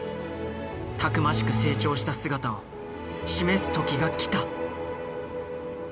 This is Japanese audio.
たくましく成長した姿を示す時が来た。